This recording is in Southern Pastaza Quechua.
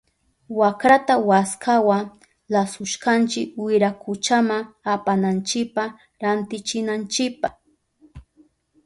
Wakrata waskawa lasushkanchi wirakuchama apananchipa rantichinanchipa.